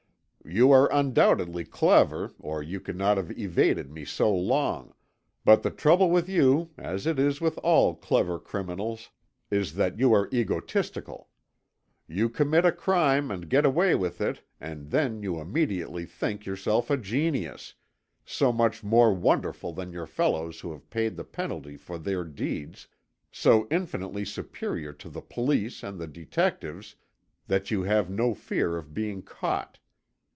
"You are undoubtedly clever or you could not have evaded me so long, but the trouble with you, as it is with all clever criminals, is that you are egotistical. You commit a crime and get away with it and then you immediately think yourself a genius, so much more wonderful than your fellows who have paid the penalty for their deeds, so infinitely superior to the police and the detectives that you have no fear of being caught.